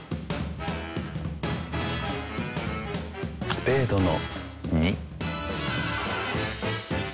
スペードの２。